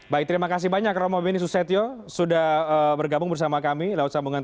baik terima kasih banyak romo beni susetio sudah bergabung bersama kami lewat sambungan